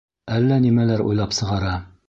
Әллә нимәләр уйлап сығара.